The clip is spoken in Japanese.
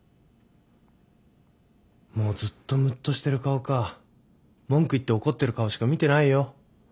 もうずっとむっとしてる顔か文句言って怒ってる顔しか見てないよ。